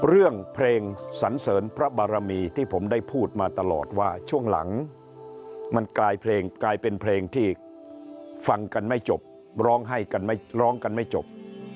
เรื่องเพลงสันเสริญพระบารมีที่ผมได้พูดมาตลอดว่าช่วงหลังมันกลายเพลงกลายเป็นเพลงที่ฟังกันไม่จบร้องไห้กันไม่ร้องกันไม่จบ